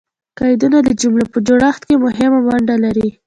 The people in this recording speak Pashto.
قیدونه د جملې په جوړښت کښي مهمه ونډه لري.